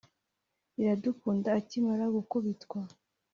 Iradukunda akimara gukubitwa